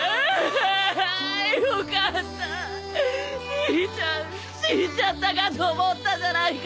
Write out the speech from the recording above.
兄ちゃん死んじゃったかと思ったじゃないか！